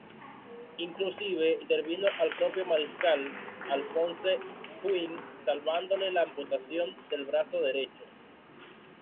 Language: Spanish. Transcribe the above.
Inclusive intervino al propio Mariscal Alphonse Juin, salvándole la amputación del brazo derecho.